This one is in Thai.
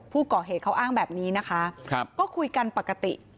ผู้ก่อเหตุเขาอ้างแบบนี้นะคะก็คุยกันปกติ